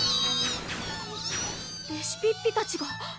レシピッピたちが？